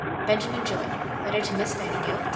BENJAMIN JOWETT (Letter to Miss Nightingale, Dec.